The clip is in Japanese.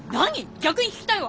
逆に聞きたいわ。